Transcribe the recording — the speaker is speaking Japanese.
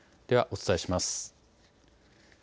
ではお伝えします。